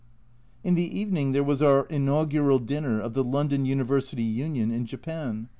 In the evening there was our inaugural dinner of the London University Union in Japan.